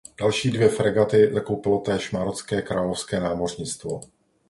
Další dvě fregaty zakoupilo též marocké královské námořnictvo.